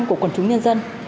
của quần chúng nhân dân